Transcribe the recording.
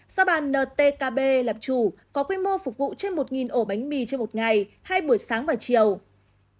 do bà ntkb làm chủ có quy mô phục vụ trên một ổ bánh mì trên một ngày hai buổi sáng và chiều